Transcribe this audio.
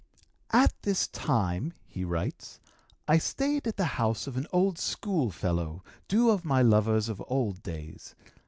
"At this time," he writes, "I stayed at the house of an old school fellow, due of my lovers of old days.